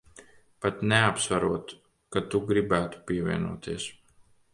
Pat neapsverot, ka tu gribētu pievienoties.